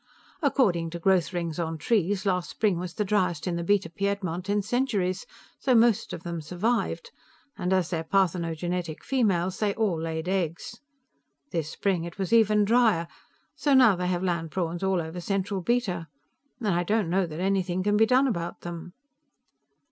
According to growth rings on trees, last spring was the driest in the Beta Piedmont in centuries, so most of them survived, and as they're parthenogenetic females, they all laid eggs. This spring, it was even drier, so now they have land prawns all over central Beta. And I don't know that anything can be done about them."